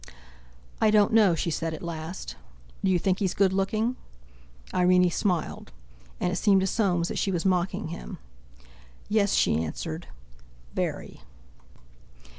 "I don't know," she said at last. "Do you think he's good looking?" Irene smiled. And it seemed to Soames that she was mocking him. "Yes," she answered; "very."